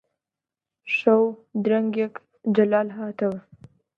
شەو درەنگێک جەلال هاتەوە